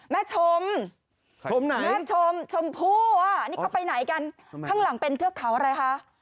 แม่ชมชมไหนแม่ชมชมพู่อ่ะนี่เขาไปไหนกันข้างหลังเป็นเทือกเขาอะไรคะ